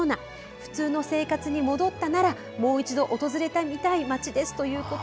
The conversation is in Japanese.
普通の生活に戻ったならもう一度訪れてみたい街ですと。